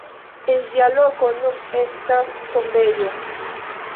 En ĝia loko nun estas tombejo.